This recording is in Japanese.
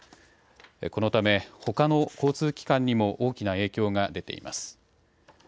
このため、ほかの交通機関にも大きな影響が出ています。